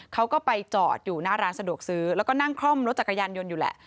เขาก็ไปจอดอยู่หน้าร้านสะดวกซื้อแล้วก็นั่งคล่อมรถจักรยานยนต์อยู่แหละ